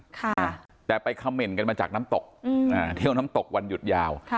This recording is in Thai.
ค่ะแต่ไปคำเมนต์กันมาจากน้ำตกอืมอ่าเที่ยวน้ำตกวันหยุดยาวค่ะ